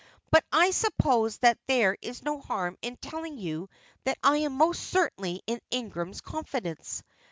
"But I suppose that there is no harm in telling you that I am most certainly in Ingram's confidence.